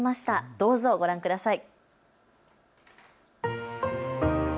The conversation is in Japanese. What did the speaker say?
どうぞご覧ください。